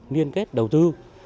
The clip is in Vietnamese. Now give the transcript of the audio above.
nhiên kết đầu tư